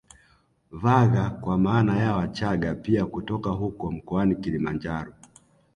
Vaagha kwa maana ya Wachaga pia kutoka huko mkoani Kilimanjaro